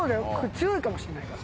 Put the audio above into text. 強いかもしんないから。